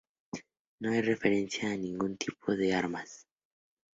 No hay referencia a ningún tipo de armas.